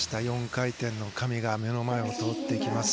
４回転の神が目の前を通っていきます。